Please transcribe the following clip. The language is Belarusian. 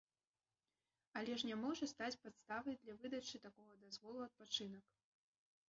Але ж не можа стаць падставай для выдачы такога дазволу адпачынак.